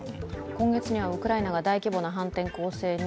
今月にはウクライナが大規模な反転攻勢に